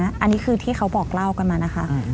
อันนี้คือที่เขาบอกเล่ากันมานะคะ